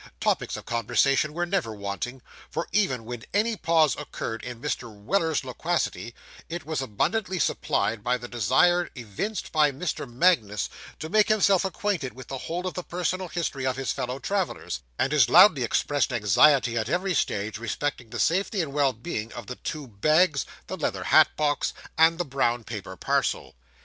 Topics of conversation were never wanting, for even when any pause occurred in Mr. Weller's loquacity, it was abundantly supplied by the desire evinced by Mr. Magnus to make himself acquainted with the whole of the personal history of his fellow travellers, and his loudly expressed anxiety at every stage, respecting the safety and well being of the two bags, the leather hat box, and the brown paper parcel.